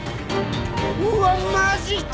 うわっマジか！